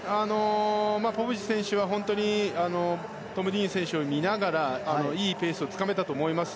ポポビッチ選手はトム・ディーン選手を見ながらいいペースをつかめたと思います。